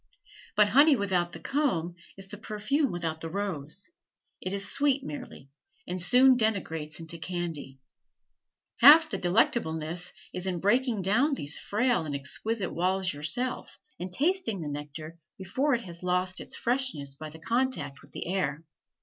But honey without the comb is the perfume without the rose, it is sweet merely, and soon degenerates into candy. Half the delectableness is in breaking down these frail and exquisite walls yourself, and tasting the nectar before it has lost its freshness by the contact with the air.